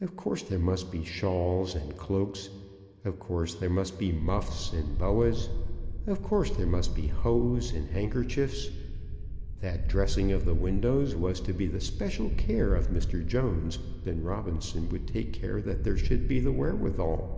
Of course there must be shawls and cloaks; of course there must be muffs and boas; of course there must be hose and handkerchiefs. That dressing of the windows was to be the special care of Mr. Jones, and Robinson would take care that there should be the wherewithal.